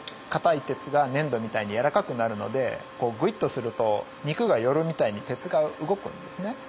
硬い鉄が粘土みたいに柔らかくなるのでグイッとすると肉が寄るみたいに鉄が動くんですね。